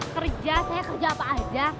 kerja saya kerja apa aja